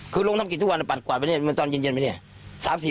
คือลงทำกิจทุกวันปัดกวาดไปเนี่ยมันตอนเย็นไปเนี่ย